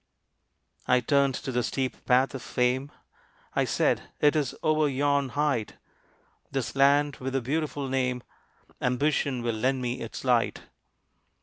I turned to the steep path of fame, I said, "It is over yon height This land with the beautiful name Ambition will lend me its light."